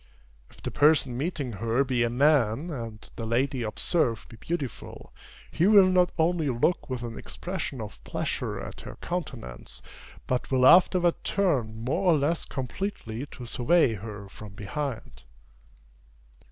If the person meeting her be a man, and the lady observed be beautiful, he will not only look with an expression of pleasure at her countenance, but will afterward turn more or less completely to survey her from behind.